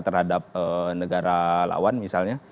terhadap negara lawan misalnya